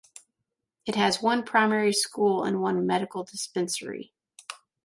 It has one primary school and one medical dispensary.